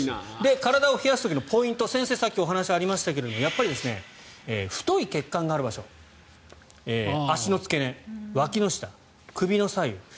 体を冷やす時のポイント先生、さっきお話がありましたがやっぱり太い血管がある場所足の付け根、わきの下首の左右。